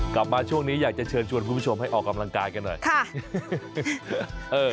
กลับมาช่วงนี้อยากจะเชิญชวนคุณผู้ชมให้ออกกำลังกายกันหน่อยค่ะ